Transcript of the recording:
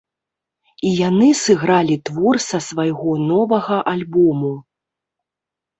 І яны сыгралі твор са свайго новага альбому.